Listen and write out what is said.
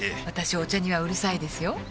私お茶にはうるさいですよ